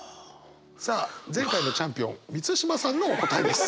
さあ前回のチャンピオン満島さんのお答えです。